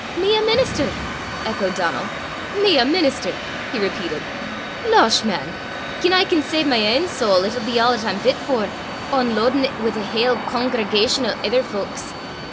"Me a minnister?" echoed Donal. "Me a minnister!" he repeated. "Losh, man! gien I can save my ain sowl, it'll be a' 'at I'm fit for, ohn lo'dent it wi' a haill congregation o' ither fowks.